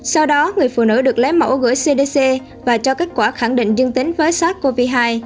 sau đó người phụ nữ được lấy mẫu gửi cdc và cho kết quả khẳng định dương tính với sars cov hai